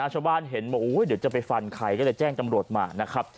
ชาวบ้านเห็นเดี๋ยวจะไปฟันใครก็เลยแจ้งตำรวจมา